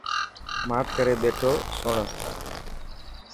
ماٺ ڪري بيٺو سوڻ.